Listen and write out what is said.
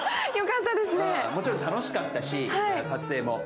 もちろん楽しかったし、撮影も。